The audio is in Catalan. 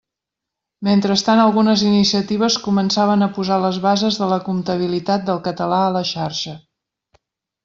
Mentrestant algunes iniciatives començaven a posar les bases de la «comptabilitat» del català a la xarxa.